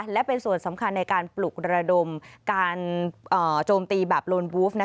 และเป็นส่วนสำคัญในการปลุกระดมการโจมตีแบบโลนวูฟ